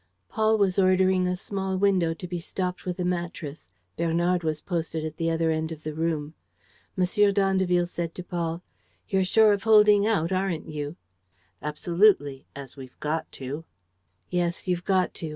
Paul was ordering a small window to be stopped with a mattress. Bernard was posted at the other end of the room. M. d'Andeville said to Paul: "You're sure of holding out, aren't you?" "Absolutely, as we've got to." "Yes, you've got to.